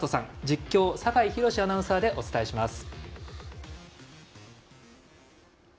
実況、酒井博司アナウンサーでお伝えします。